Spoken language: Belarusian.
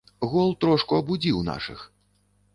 Гол трошку абудзіў нашых.